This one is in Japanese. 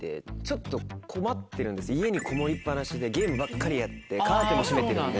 家にこもりっぱなしでゲームばっかりやってカーテンも閉めてるんで。